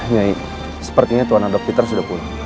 nyai sepertinya tuan adok peter sudah pulang